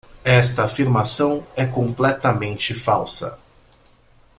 Esta afirmação é completamente falsa.